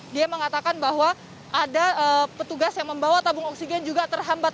dia mengatakan bahwa ada petugas yang membawa tabung oksigen juga terhambat